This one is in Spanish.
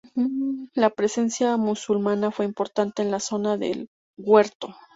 La presencia musulmana fue importante en la zona de Huerto.